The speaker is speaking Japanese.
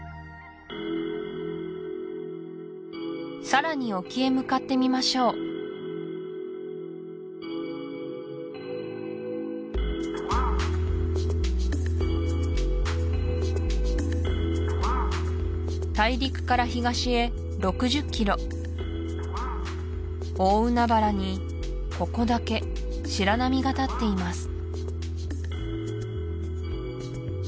さらに沖へ向かってみましょう大陸から東へ６０ｋｍ大海原にここだけ白波が立っています